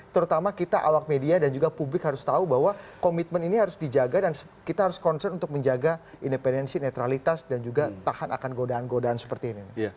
terutama kita awak media dan juga publik harus tahu bahwa komitmen ini harus dijaga dan kita harus concern untuk menjaga independensi netralitas dan juga tahan akan godaan godaan seperti ini